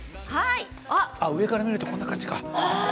上から見るとこんな感じか。